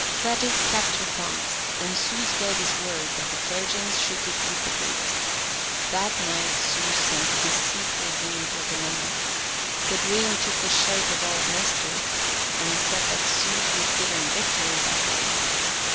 Thetis kept her promise, and Zeus gave his word that the Trojans should defeat the Greeks. That night Zeus sent a deceitful dream to Agamemnon. The dream took the shape of old Nestor, and said that Zeus would give him victory that day.